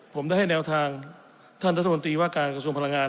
ผมได้ให้แนวทางท่านรัฐมนตรีว่าการกระทรวงพลังงาน